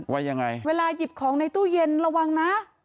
ว่ายังไงเวลาหยิบของในตู้เย็นระวังนะ